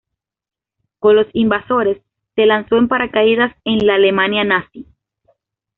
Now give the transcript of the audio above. Con los invasores, se lanzó en paracaídas en la Alemania nazi.